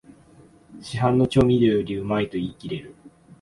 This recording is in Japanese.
市販の調味料よりうまいと言いきれる